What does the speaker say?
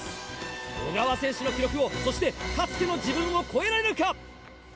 小川選手の記録をそしてかつての自分を超えられるか？